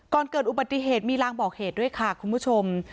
ก่อนเกิดอุบัติเหตุมีรางบอกเหตุด้วยค่ะคุณผู้ชม